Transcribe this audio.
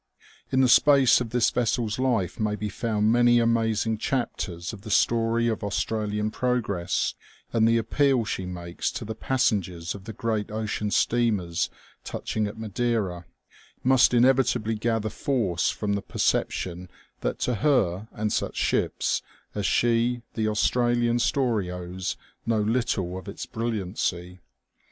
In the space of this vessel's life may be found many amazing chapters of the story of Australian progress, and the appeal she makes to the passengers of the great ocean steamers touching at Madeira must inevitably gather force from the per ception that to her and such ships as she the Australian story owes no little of its brilliancy.